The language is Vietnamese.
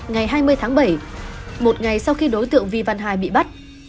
ngày hai mươi tháng bảy một ngày sau khi đối tượng vi văn hải bị bắt